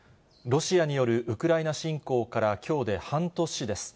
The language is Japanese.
ロシアによるウクライナ侵攻から、きょうで半年です。